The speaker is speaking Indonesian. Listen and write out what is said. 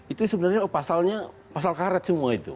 itu sebenarnya pasalnya pasal karet semua itu